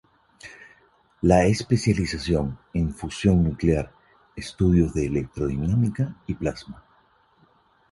La especialización en fusión nuclear estudios de electrodinámica y plasma.